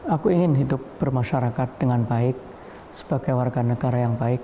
aku ingin hidup bermasyarakat dengan baik sebagai warga negara yang baik